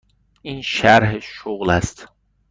این شرح شغل است.